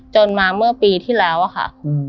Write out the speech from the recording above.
จนมาเมื่อปีที่แล้วอะค่ะ